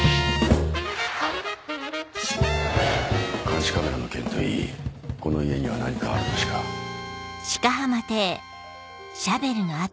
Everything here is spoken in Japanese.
監視カメラの件といいこの家には何かあるとしか。